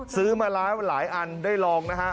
ซื้อมาแล้วหลายอันได้ลองนะฮะ